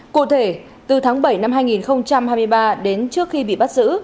cụ thể từ tháng bảy năm hai nghìn hai mươi ba đến trước khi bị bắt giữ